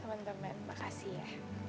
teman teman makasih ya